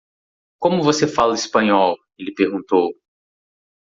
"Como você fala espanhol?", ele perguntou.